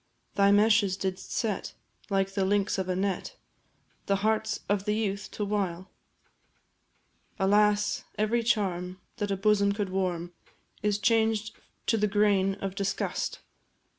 Thy meshes didst set, like the links of a net, The hearts of the youth to wile? Alas every charm that a bosom could warm Is changed to the grain of disgust!